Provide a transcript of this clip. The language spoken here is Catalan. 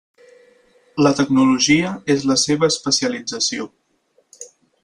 La tecnologia és la seva especialització.